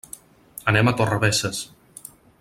Anem a Torrebesses.